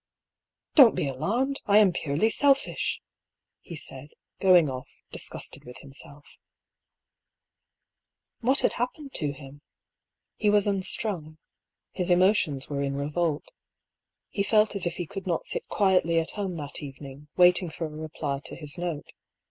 " Don't be alarmed ! I am purely selfish !" he said, going oflf disgusted with himself. 222 I>R PAULL'S THEORY. What had happened to him ? He was unstrung — his emotions were in revolt. He felt as if he could not sit quietly at home that evening, waiting for a reply to his note.